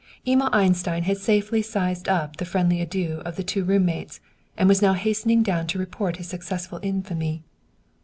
Emil Einstein had safely sized up the friendly adieu of the two room mates, and was now hastening down to report his successful infamy.